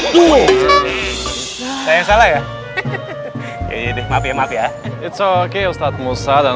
dua saya salah ya ini deh maaf ya maaf ya itu oke ustadz musa dan